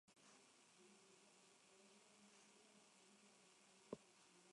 No se poseen datos respecto a su población.